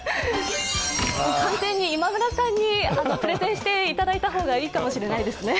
完全に今村さんにプレゼンしていただいた方がいいかもしれないですね。